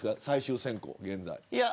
最終選考、現在。